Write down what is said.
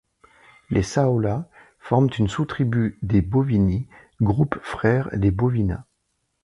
Les saolas forment une sous-tribu des Bovini, groupe frère des Bovina.